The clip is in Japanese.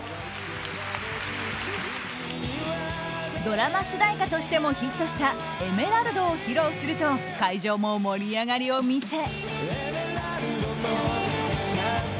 ドラマ主題歌としてもヒットした「エメラルド」を披露すると会場も盛り上がりを見せ。